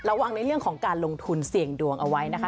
ระวังในเรื่องของการลงทุนเสี่ยงดวงเอาไว้นะคะ